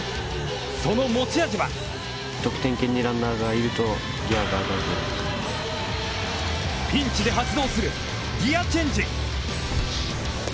その持ち味はピンチで発動するギアチェンジ。